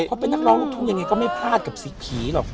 เพราะเป็นนักร้องรกธุอย่างไรก็ไม่พลาดกับผีหรอก